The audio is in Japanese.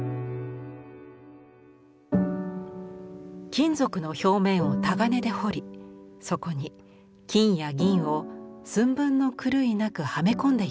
金属の表面を鏨で彫りそこに金や銀を寸分の狂いなくはめ込んでいます。